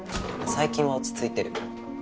最近は落ち着いてる。